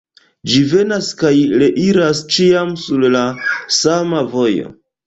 Ĝi venas kaj reiras ĉiam sur la sama vojo.